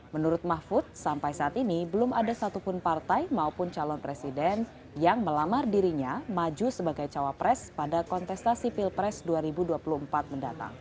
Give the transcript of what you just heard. menurut mahfud sampai saat ini belum ada satupun partai maupun calon presiden yang melamar dirinya maju sebagai cawapres pada kontestasi pilpres dua ribu dua puluh empat mendatang